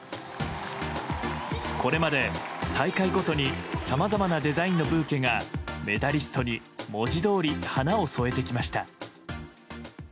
これまで、大会ごとにさまざまなデザインのブーケがメダリストに文字どおり花を添えてきました。